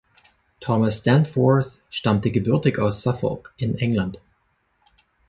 Thomas Danforth stammte gebürtig aus Suffolk in England.